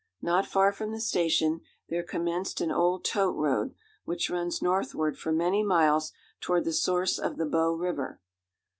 Not far from the station, there commenced an old tote road, which runs northward for many miles toward the source of the Bow River.